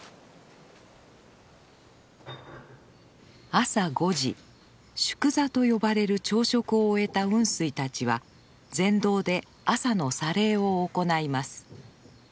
朝５時「粥座」と呼ばれる朝食を終えた雲水たちは禅堂で朝の茶礼を行います。